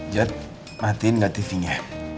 jat matiin gak tv nya